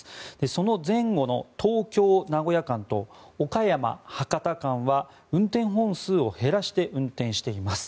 その前後の東京名古屋間と岡山博多間は運転本数を減らして運転しています。